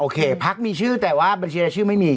พักมีชื่อแต่ว่าบัญชีรายชื่อไม่มี